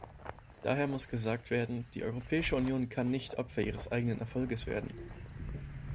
Dahermuss gesagt werden, die Europäische Union kann nicht Opfer ihres eigenen Erfolges werden.